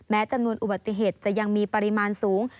จำนวนอุบัติเหตุจะยังมีปริมาณสูง